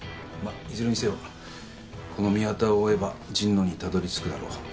まっいずれにせよこの宮田を追えば神野にたどりつくだろう。